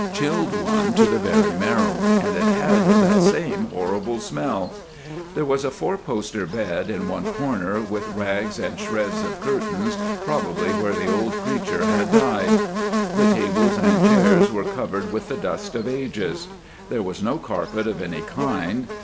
It chilled one to the very marrow, and it had that same horrible smell. There was a four poster bed in one corner with rags and shreds of curtains, probably where the old creature had died. The tables and chairs were covered with the dust of ages. There was no carpet of any kind.